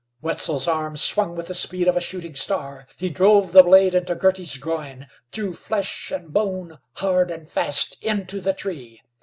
Wetzel's arm swung with the speed of a shooting star. He drove the blade into Girty's groin, through flesh and bone, hard and fast into the tree.